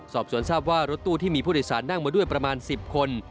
สอบสวนทราบว่ารถตู้ที่มีผู้โดยสารนั่งมาด้วยประมาณ๑๐คน